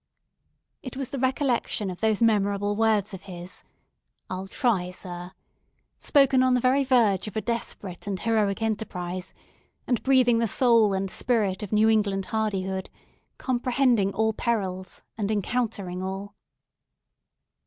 It was the recollection of those memorable words of his—"I'll try, Sir"—spoken on the very verge of a desperate and heroic enterprise, and breathing the soul and spirit of New England hardihood, comprehending all perils, and encountering all.